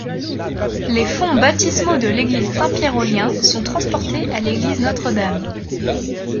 Les fonts baptismaux de l'église Saint-Pierre-aux-Liens sont transportés à l'église Notre-Dame.